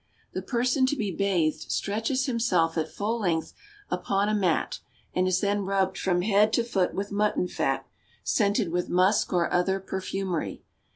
The person to be bathed stretches himself at full length upon a mat and is then rubbed from head to t with mutton fat, scented with musk or other perfumery.